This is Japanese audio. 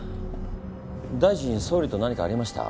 大臣総理と何かありました？